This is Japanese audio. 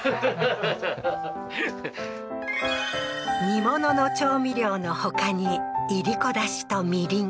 煮物の調味料のほかにいりこ出汁とみりん